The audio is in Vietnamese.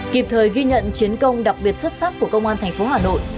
kịp thời ghi nhận chiến công đặc biệt xuất sắc của công an tp hà nội